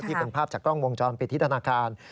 นี่เป็นภาพจากกล้องวงจรปิดที่ธนาคาร